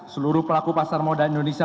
seluruh pelaku pasar modal indonesia